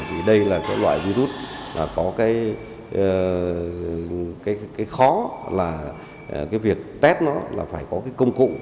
vì đây là loại virus có khó việc test nó phải có công cụ